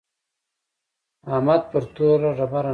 احمد پر توره ډبره ناست و.